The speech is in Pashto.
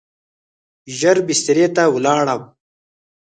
ژر بسترې ته ولاړم.